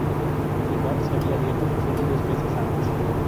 El bar se había abierto sólo dos meses antes.